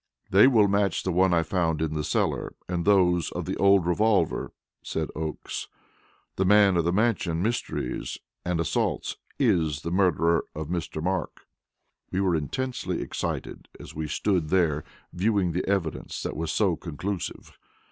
"They match the one I found in the cellar, and those of the old revolver," said Oakes. "The man of the Mansion mysteries and assaults is the murderer of Mr. Mark." We were intensely excited as we stood there viewing the evidence that was so conclusive.